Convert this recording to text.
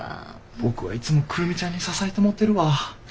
僕はいつも久留美ちゃんに支えてもうてるわ。